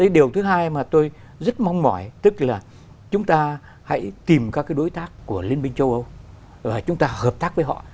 điều thứ hai mà tôi rất mong mỏi tức là chúng ta hãy tìm các đối tác của liên minh châu âu và chúng ta hợp tác với họ